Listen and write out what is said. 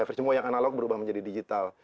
eversumo yang analog berubah menjadi digital